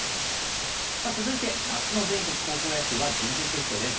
続いて夏の全国高校野球は準々決勝です。